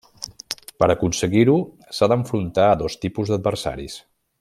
Per aconseguir-ho, s'ha d'enfrontar a dos tipus d'adversaris.